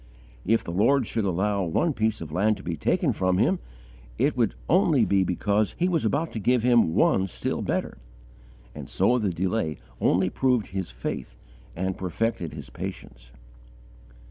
If the Lord should allow one piece of land to be taken from him, it would only be because He was about to give him one still better; and so the delay only proved his faith and perfected his patience.